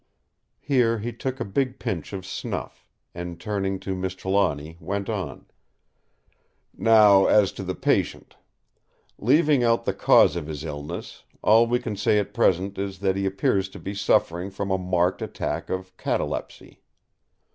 Here he took a big pinch of snuff, and turning to Miss Trelawny, went on: "Now as to the patient. Leaving out the cause of his illness, all we can say at present is that he appears to be suffering from a marked attack of catalepsy.